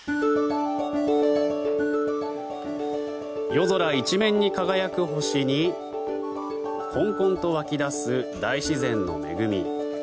夜空一面に輝く星にこんこんと湧き出す大自然の恵み。